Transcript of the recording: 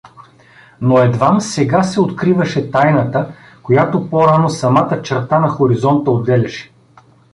Но едвам сега се откриваше тайната, която по-рано самата черта на хоризонта отделяше.